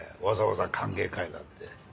わざわざ歓迎会なんて。